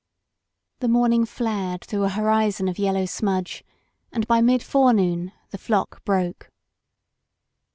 The morning flared through a horizon of yel low smudge, and by mid forenoon the flock broke.